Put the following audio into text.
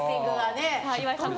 岩井さん